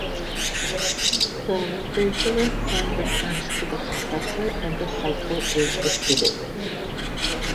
The refrigerant then returns to the compressor and the cycle is repeated.